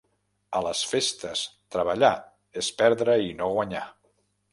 A les festes treballar és perdre i no guanyar.